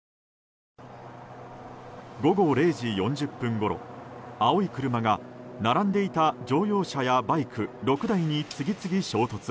午後０時４０分ごろ、青い車が並んでいた乗用車やバイク６台に次々衝突。